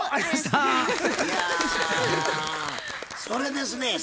それですね